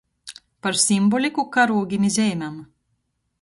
Par simboliku, karūgim i zeimem...